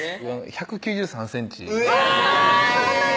１９３ｃｍうわ！